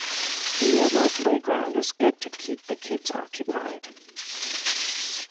The nearby playground is good to keep the kids occupied.